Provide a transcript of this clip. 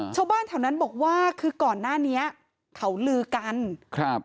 ชาวบ้านแถวนั้นบอกว่าคือก่อนหน้านี้เขาลือกันครับ